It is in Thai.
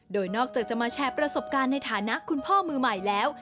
โดยนอกจากจะมาแชร์ประสบการณ์ในฐานะคุณพ่อมือใหม่แล้ว